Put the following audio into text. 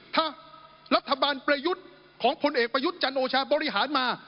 ถ้ารัฐบาลประยุทธ์ของพลเอกประยุทธ์จันโอชาบริหารมา